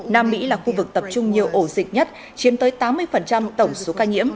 nam mỹ là khu vực tập trung nhiều ổ dịch nhất chiếm tới tám mươi tổng số ca nhiễm